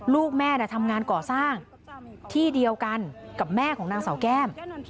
ลูกแม่ทำงานก่อสร้างที่เดียวกันกับแม่ของนางสาวแก้ม